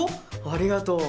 ありがとう。